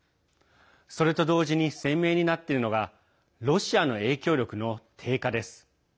それと同時に鮮明になっているのがロシアの影響力の低下です。